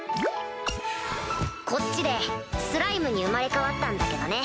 こっちでスライムに生まれ変わったんだけどね。